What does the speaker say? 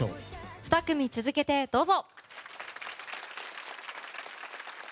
２組続けてどうぞ。